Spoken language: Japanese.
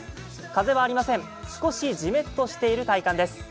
風はありません、少しジメッとしている体感です。